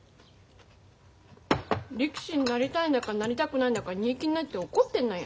力士になりたいんだかなりたくないんだか煮えきんないって怒ってんのよ。